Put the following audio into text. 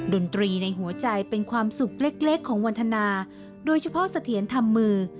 ดนตรีในหัวใจเป็นความสุขเล็กของวันธนาโดยเฉพาะเสถียรทำมือ